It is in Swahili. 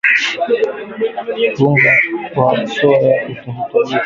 Unga wa soya utahitajika